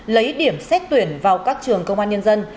lấy điểm xét tuyển vào các trường công an nhân dân